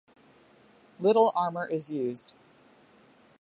Little armor is used.